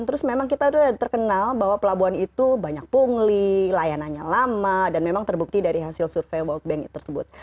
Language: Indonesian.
terus memang kita sudah terkenal bahwa pelabuhan itu banyak pungli layanannya lama dan memang terbukti dari hasil survei world bank tersebut